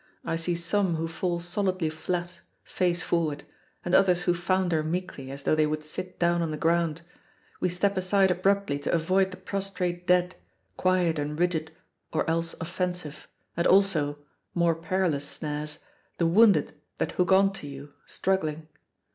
I see some who fall solidly flat, face forward, and others who founder meekly, as though they would sit down on the ground. We step aside abruptly to avoid the prostrate dead, quiet and rigid, or else offensive, and also more perilous snares! the wounded that hook on to you, struggling.